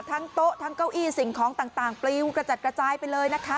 โต๊ะทั้งเก้าอี้สิ่งของต่างปลิวกระจัดกระจายไปเลยนะคะ